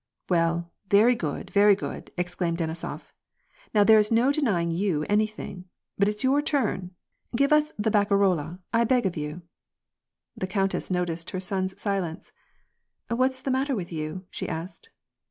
" Well, very good, very good," exclaimed Denisof ." Now there^s no denying you anything ; but it's your turn ! Give us the barcaroUa, I beg of you !" The countess noticed her son's silence, —" What's the matter with you ?" she asked.